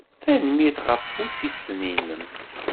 Tanemmirt ɣef wussisen-nnem.